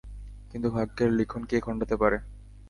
কিন্তু ভাগ্যের লিখন কে খণ্ডাতে পারে?